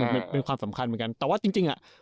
มันเป็นความสำคัญเหมือนกัน